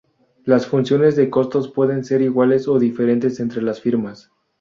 Las funciones de costos pueden ser iguales o diferentes entre las firmas.